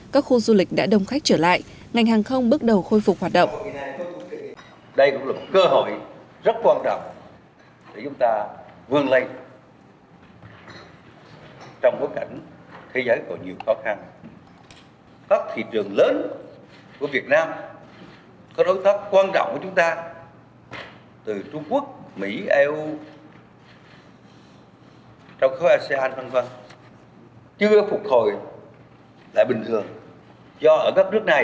các khu du lịch đã đông khách trở lại ngành hàng không bước đầu khôi phục hoạt động